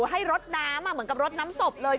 ให้รดน้ำเหมือนกับรดน้ำศพเลย